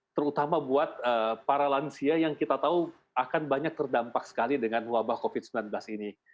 terutama buat para lansia yang kita tahu akan banyak terdampak sekali dengan wabah covid sembilan belas ini